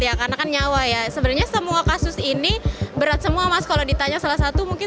ya karena kan nyawa ya sebenarnya semua kasus ini berat semua mas kalau ditanya salah satu mungkin